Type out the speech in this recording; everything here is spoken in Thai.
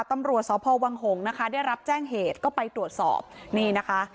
ตำรวจสพวังหงษ์นะคะได้รับแจ้งเหตุก็ไปตรวจสอบนี่นะคะ